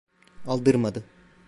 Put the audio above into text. Aldırmadı…